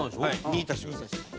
２足してください。